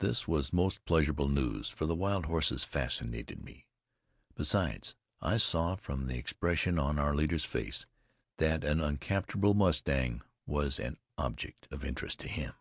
This was most pleasurable news, for the wild horses fascinated me. Besides, I saw from the expression on our leader's face that an uncapturable mustang was an object of interest for him.